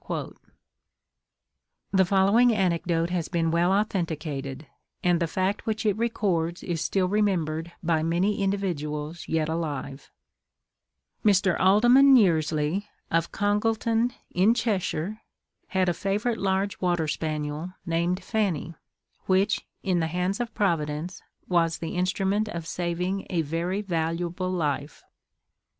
The following anecdote has been well authenticated, and the fact which it records is still remembered by many individuals yet alive: Mr. Alderman Yearsley, of Congleton, in Cheshire, had a favourite large water spaniel named Fanny, which, in the hands of Providence, was the instrument of saving a very valuable life.